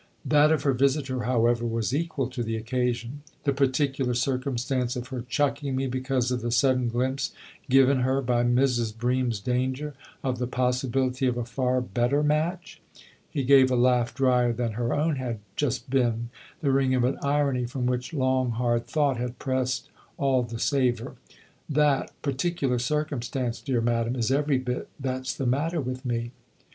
That of her visitor, however, was equal to the occasion. " The particular circumstance of her chucking me because of the sudden glimpse given her, by Mrs. Bream's danger, of the possibility of a far better match ?" He gave a laugh drier than her own had just been, the ring of an irony from which long, hard thought had pressed all the savour. "That ' particular circumstance,' dear madam, is every bit that's the matter with me